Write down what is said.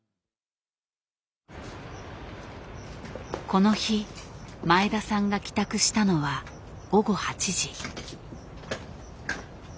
この日前田さんが帰宅したのは午後８時。